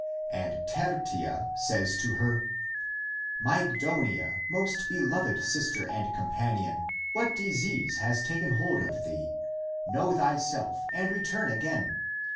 And Ter tia says to her, " Mygdonia, most beloved sister and companion, what disease has taken hold of thee? Know thyself and return again.